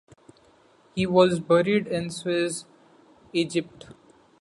He was buried in Suez, Egypt.